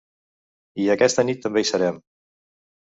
I aquesta nit també hi serem.